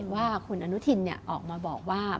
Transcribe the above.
ว่าคุณอนุทินออกมาบอกว่า